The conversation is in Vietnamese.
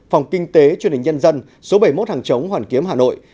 phòng kinh tế truyền hình nhân dân số bảy mươi một hàng chống hoàn kiếm hà nội